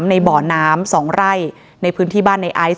ในบ่อน้ำ๒ไร่ในพื้นที่บ้านในไอซ์